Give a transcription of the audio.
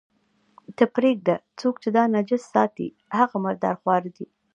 ته پرېږده، څوک چې دا نجس ساتي، هغه مرداره خواره دي.